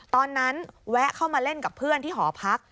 แวะเข้ามาเล่นกับเพื่อนที่หอพัก